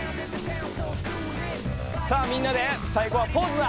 さあみんなで最後はポーズだ！